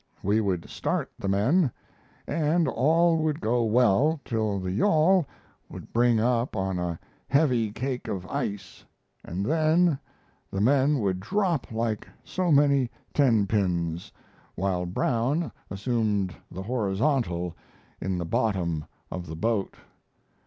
We would start the men, and all would go well till the yawl would bring up on a heavy cake of ice, and then the men would drop like so many tenpins, while Brown assumed the horizontal in the bottom of the boat.